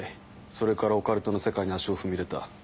それからオカルトの世界に足を踏み入れた。